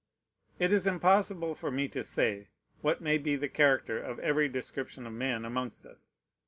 It is impossible for me to say what may be the character of every description of men amongst us.